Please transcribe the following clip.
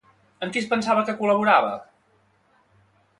Amb qui es pensava que col·laborava?